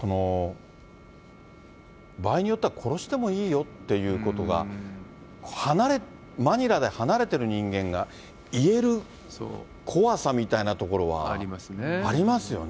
場合によっては、殺してもいいよっていうことが、マニラで離れてる人間が言える怖さみたいなところはありますよね。